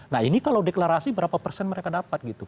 nah ini kalau deklarasi berapa persen mereka dapat gitu